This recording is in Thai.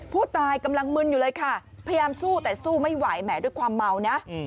ผู้ตายกำลังมึนอยู่เลยค่ะพยายามสู้แต่สู้ไม่ไหวแหมด้วยความเมานะ